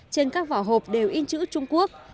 trên các vỏ hộp đều in chữ trung quốc